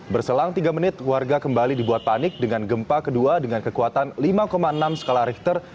berselang tiga menit warga kembali dibuat panik dengan gempa kedua dengan kekuatan lima enam skala richter